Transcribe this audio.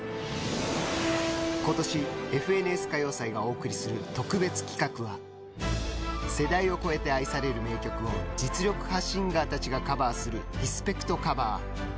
今年「ＦＮＳ歌謡祭」がお送りする特別企画は世代を超えて愛される名曲を実力派シンガーたちがカバーするリスペクトカバー。